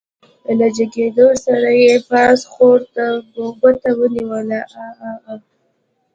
له جګېدو سره يې پاس خوړ ته ګوته ونيوله عاعاعا.